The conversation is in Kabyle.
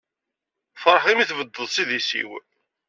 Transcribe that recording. Feṛḥeɣ imi i tebded s idis-iw.